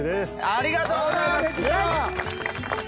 ありがとうございます！